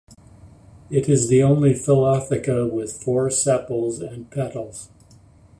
It is the only philotheca with four sepals and petals.